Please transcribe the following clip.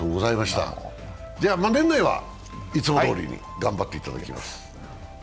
年内はいつもどおりに頑張っていただきます。